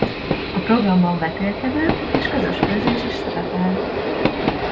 A programban vetélkedő és közös főzés is szerepel.